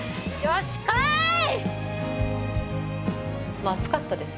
まあ暑かったです